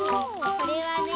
これはね